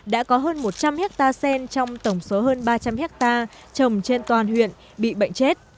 đã có hơn một trăm linh hectare sen trong tổng số hơn ba trăm linh hectare trồng trên toàn huyện bị bệnh chết